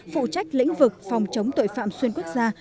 phụ trách lĩnh vực phòng chống tội phạm xuyên quốc gia